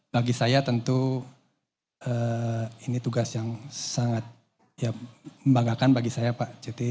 bagi saya tentu ini tugas yang sangat ya membanggakan bagi saya pak ceti